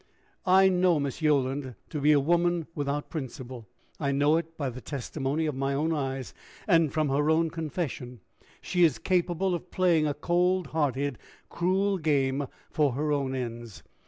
"I know Miss Yolland to be a woman without principle. I know it by the testimony of my own eyes, and from her own confession. She is capable of playing a cold hearted, cruel game for her own ends.